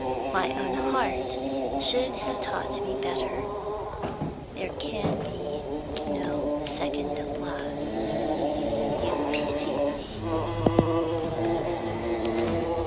My own heart should have taught me better; there can be no second love. You pitied me!'